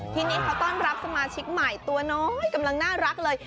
ที่นี่เขาต้อนรับสมาชิกใหม่ตัวน้อยกำลังน่ารักเลย